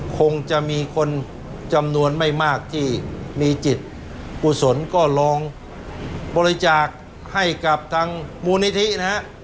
คงจะมีคนจำนวนไม่มากที่มีจิตกุศลก็ลองบริจาคให้กับทางมูลนิธินะฮะ